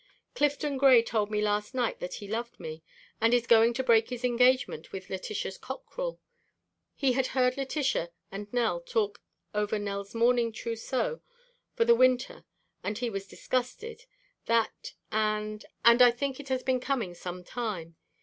Clifton Gray told me last night that he loved me and is going to break his engagement with Letitia Cockrell. He had heard Letitia and Nell talk over Nell's mourning trousseau for the winter and he was disgusted that, and and I think it has been coming some time.